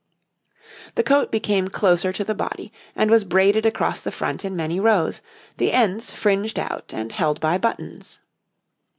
The coat became closer to the body, and was braided across the front in many rows, the ends fringed out and held by buttons.